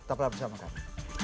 tepatlah bersama kami